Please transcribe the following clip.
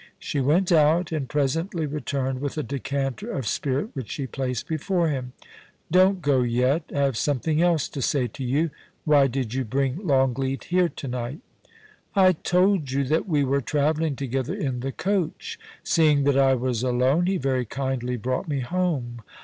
* She went out, and presently returned with a decanter of spirit which she placed before him. ' Don't go yet ; I have something else to say to you. Why did you bring Longleat here to night ?I told you that we were travelling together in the coach. Seeing that I was alone he very kindly brought me home.